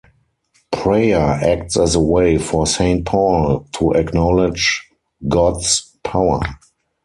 Prayer acts as a way for Saint Paul to acknowledge God's power.